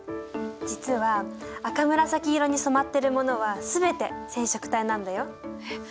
実は赤紫色に染まってるものは全て染色体なんだよ。え？